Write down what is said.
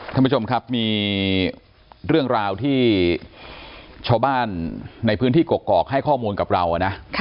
ท่านผู้ชมครับมีเรื่องราวที่ชาวบ้านในพื้นที่กกอกให้ข้อมูลกับเรานะ